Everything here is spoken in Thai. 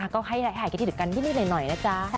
ก็ให้หายคิดถึงกันนิดหน่อยนะจ๊ะ